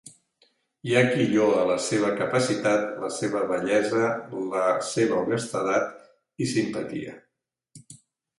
Hi ha qui lloa la seva capacitat, la seva bellesa, la seva honestedat i simpatia.